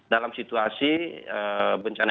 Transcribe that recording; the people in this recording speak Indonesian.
dalam situasi bencana